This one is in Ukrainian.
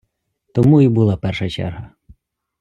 Тому і була перша черга.